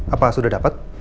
apa sudah dapet